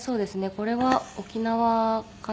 これは沖縄かな？